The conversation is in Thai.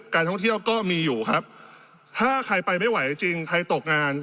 ท่องเที่ยวก็มีอยู่ครับถ้าใครไปไม่ไหวจริงใครตกงาน